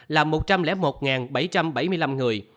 là một trăm linh một bảy trăm bảy mươi năm người